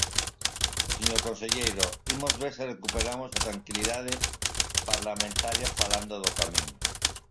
Señor conselleiro, imos ver se recuperamos a tranquilidade parlamentaria falando do Camiño.